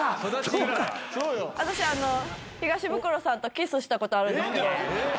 私東ブクロさんとキスしたことあるんですけど。